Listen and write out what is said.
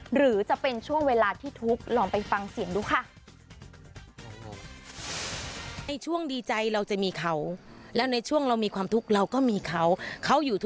หรือจะเป็นช่วงเวลาที่ทุกข์